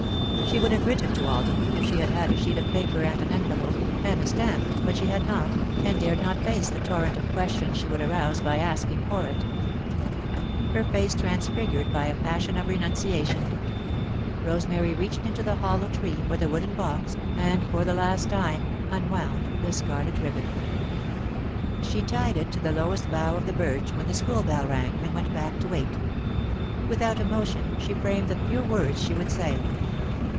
She would have written to Alden, if she had had a sheet of paper, and an envelope, and a stamp, but she had not, and dared not face the torrent of questions she would arouse by asking for it. [Sidenote: No One Came] Her face transfigured by a passion of renunciation, Rosemary reached into the hollow tree for the wooden box, and, for the last time unwound the scarlet ribbon. She tied it to the lowest bough of the birch when the school bell rang, and went back to wait. Without emotion, she framed the few words she would say.